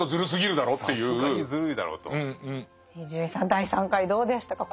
第３回どうでしたか？